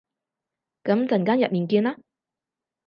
噉陣間入面見啦